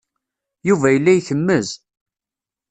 Yuba yella ikemmez.